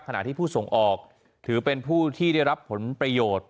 ขณะที่ผู้ส่งออกถือเป็นผู้ที่ได้รับผลประโยชน์